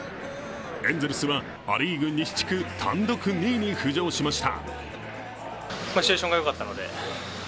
エンゼルスはア・リーグ西地区単独２位に浮上しました。